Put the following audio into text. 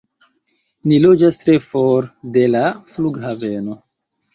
Ni loĝas tre for de la flughaveno